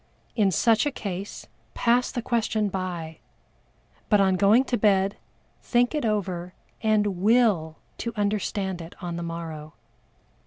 In such a case pass the question by, but on going to bed, think it over and will to understand it on the morrow.